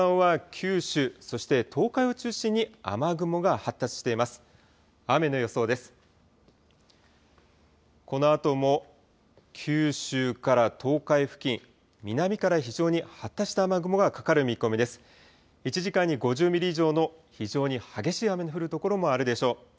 １時間に５０ミリ以上の非常に激しい雨の降る所もあるでしょう。